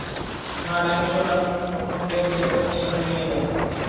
মা ডাইনোসর আর পসামদের নিরাপদ স্থানে নিয়ে যাও।